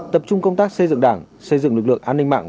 tập trung công tác xây dựng đảng xây dựng lực lượng an ninh mạng